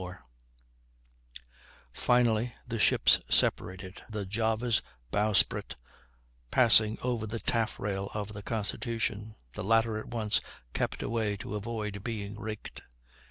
Naval Academy Museum)] Finally the ships separated, the Java's bowsprit passing over the taffrail of the Constitution; the latter at once kept away to avoid being raked.